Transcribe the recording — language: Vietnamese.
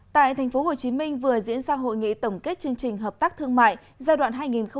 tại tp hcm vừa diễn ra hội nghị tổng kết chương trình hợp tác thương mại giai đoạn hai nghìn một mươi sáu hai nghìn hai mươi